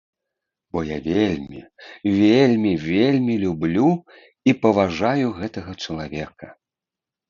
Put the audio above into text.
Бо я вельмі, вельмі, вельмі люблю і паважаю гэтага чалавека.